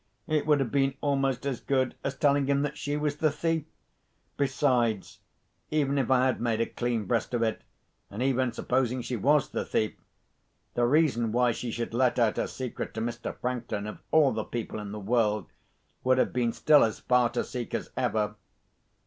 It would have been almost as good as telling him that she was the thief. Besides, even if I had made a clean breast of it, and even supposing she was the thief, the reason why she should let out her secret to Mr. Franklin, of all the people in the world, would have been still as far to seek as ever.